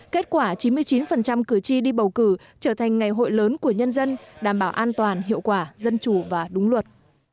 kết quả chín mươi chín cử tri đi bầu cử trở thành ngày hội lớn của nhân dân đảm bảo an toàn hiệu quả dân chủ và đúng luật